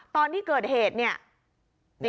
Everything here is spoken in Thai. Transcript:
ตอนที่เกิดเหตั้วสัปดาห์นี้